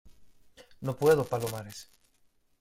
no puedo, Palomares.